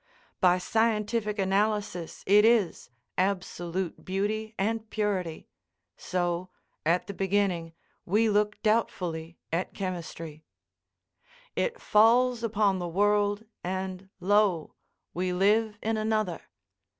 By scientific analysis it is absolute beauty and purity—so, at the beginning we look doubtfully at chemistry. It falls upon the world, and lo! we live in another.